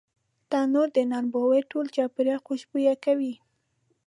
تنور د نان بوی ټول چاپېریال خوشبویه کوي